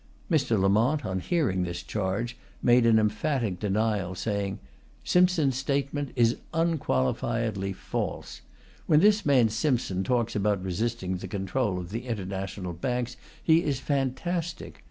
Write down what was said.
Mr. Lamont, on hearing this charge, made an emphatic denial, saying: "Simpson's statement is unqualifiedly false. When this man Simpson talks about resisting the control of the international banks he is fantastic.